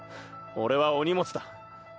俺はお荷物だ！